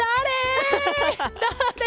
だれ？